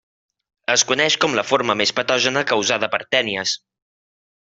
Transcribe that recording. Es coneix com la forma més patògena causada per tènies.